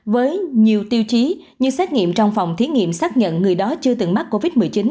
với nhiều tiêu chí như xét nghiệm trong phòng thí nghiệm xác nhận người đó chưa từng mắc covid một mươi chín